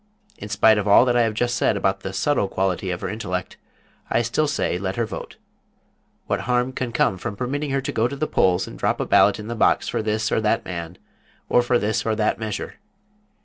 In spite of all that I have just said about the subtle quality of her intellect, I still say let her vote. What harm can come from permitting her to go to the polls and drop a ballot in the box for this or that man, or for this or that measure?